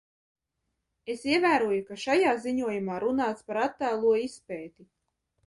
Es ievēroju, ka šajā ziņojumā runāts par attālo izpēti.